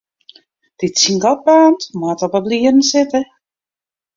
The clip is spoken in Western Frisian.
Dy't syn gat baarnt, moat op 'e blierren sitte.